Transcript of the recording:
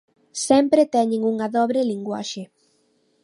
¡Sempre teñen unha dobre linguaxe!